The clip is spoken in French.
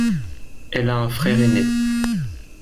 Elle a un frère ainé.